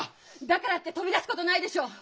だからって飛び出すことないでしょ！